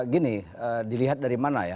gini dilihat dari mana ya